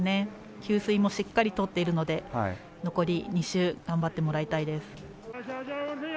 給水もしっかりとっているので残り２周頑張ってもらいたいです。